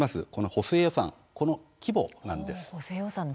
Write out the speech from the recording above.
補正予算案の規模なんです。